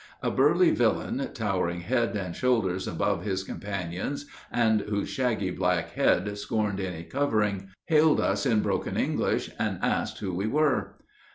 A burly villain, towering head and shoulders above his companions, and whose shaggy black head scorned any covering, hailed us in broken English, and asked who we were.